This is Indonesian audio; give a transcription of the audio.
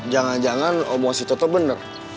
jangan jangan omongan si toto bener